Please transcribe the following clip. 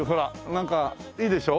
なんかいいでしょ？